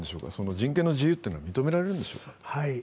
人権の自由は認められるのでしょうか？